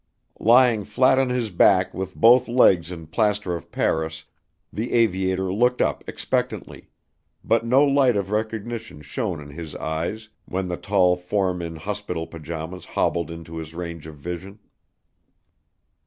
Lying flat on his back with both legs in plaster of Paris, the aviator looked up expectantly; but no light of recognition shone in his eyes when the tall form in hospital pajamas hobbled into his range of vision.